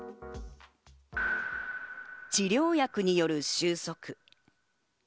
治療薬による収束。